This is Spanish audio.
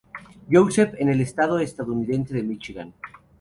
Joseph en el estado estadounidense de Míchigan.